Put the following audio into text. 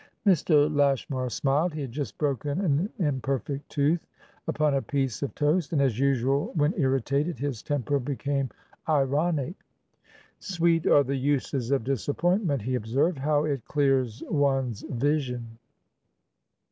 Mr. Lashmar smiled. He had just broken an imperfect tooth upon a piece of toast, and, as usual when irritated, his temper became ironic. "Sweet are the uses of disappointment," he observed. "How it clears one's vision!"